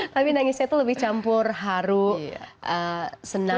tapi nangisnya itu lebih campur haru senang